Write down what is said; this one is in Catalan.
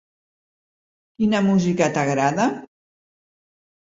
Quina música t'agrada?